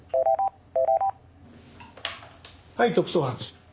はい特捜班です。